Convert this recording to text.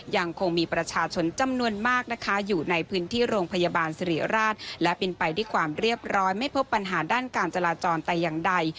ยังคงมีประชาชนจำนวนมากนะคะอยู่ในพื้นที่โรงพยาบาลสิริราชและเป็นไปด้วยความเรียบร้อยไม่พบปัญหาด้านการจราจรแต่อย่างใด